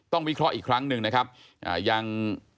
วิเคราะห์อีกครั้งหนึ่งนะครับยัง